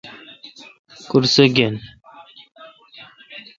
کرسہ گین۔